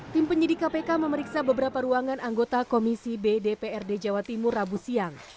tim penyidik kpk memeriksa beberapa ruangan anggota komisi b dprd jawa timur rabu siang